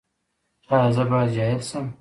ایا زه باید جاهل شم؟